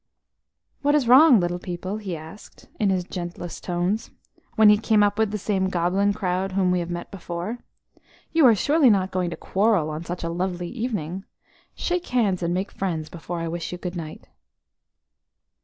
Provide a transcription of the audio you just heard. "What is wrong, little people?" he asked in his gentlest tones, when he came up with the same goblin crowd whom we have met before. "You are surely not going to quarrel on such a lovely evening! Shake hands and make friends before I wish you good night."